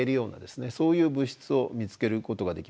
そういう物質を見つけることができました。